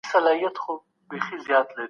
د بهرنیو تګلاري جوړولو کي عامه ګډون کافي نه دی.